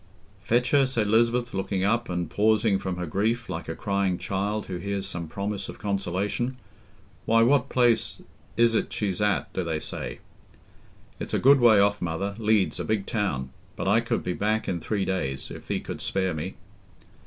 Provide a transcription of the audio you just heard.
"Fetch her?" said Lisbeth, looking up and pausing from her grief, like a crying child who hears some promise of consolation. "Why, what place is't she's at, do they say?" "It's a good way off, mother—Leeds, a big town. But I could be back in three days, if thee couldst spare me."